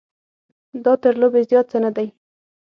دا تر لوبې زیات څه نه دی.